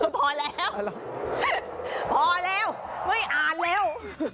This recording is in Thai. พอแล้วพอแล้วไม่อ่านแล้ว